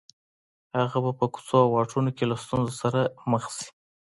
هغه به په کوڅو او واټونو کې له ستونزو سره مخ شي